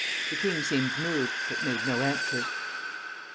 The king seemed moved, but made no answer.